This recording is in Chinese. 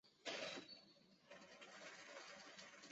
这个国家缺少一个统一的政府来实施语言和文化政策。